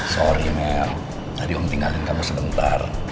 sorry mel tadi om tinggalin kamu sebentar